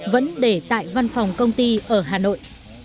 vẫn để tại văn phòng công ty ở hà nội